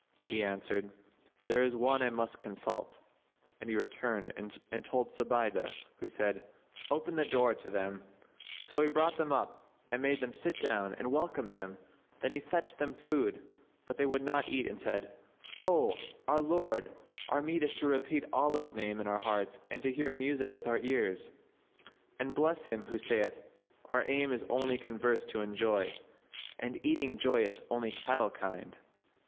"[FN#70] He answered, "There is one I must consult;" and he returned and told Zubaydah who said, "Open the door to them." So he brought them up and made them sit down and welcomed them; then he fetched them food, but they would not eat and said, "O our lord, our meat is to repeat Allah's name in our hearts and to hear music with our ears: and bless him who saith, 'Our aim is only converse to enjoy, * And eating joyeth only cattle kind.'